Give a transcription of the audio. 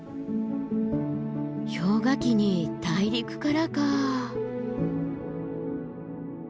氷河期に大陸からか。